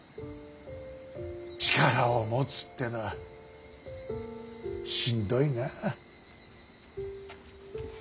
力を持つってのはしんどいなあ。